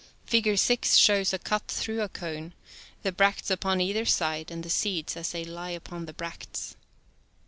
Figure 6 shows a cut through a cone, the bracts upon either side, and the seeds as they lie upon the bracts.